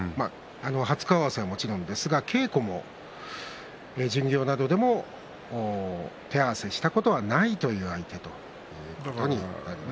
初顔合わせは、もちろんですが稽古や巡業などでも手合わせしたことはないという相手ということになります。